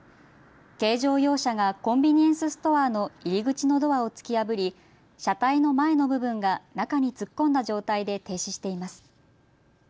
軽乗用車がコンビニエンスストアの入り口のドアを突き破り車体の前の部分が中に突っ込んだ状態で停止しています。